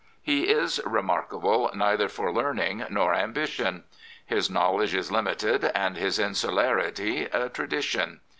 He is remarkable neither for learning nor ambition. His knowledge is limited, and his insularity a tradition.